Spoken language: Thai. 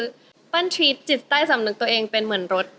ปั้นตื่นทางตอบตาชีวิตใต้สำนึกตัวเองเป็นเหมือนรถ